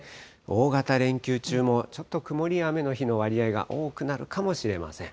大型連休中もちょっと曇りや雨の日の割合が多くなるかもしれません。